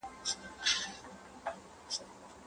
موږ باید د خپلو ونو او ګلانو ساتنه وکړو.